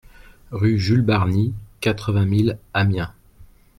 Rue Jules Barni, quatre-vingt mille Amiens